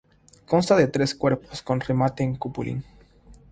Consta de tres cuerpos con remate en cupulín.